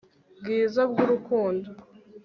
bwiza bw' urukundo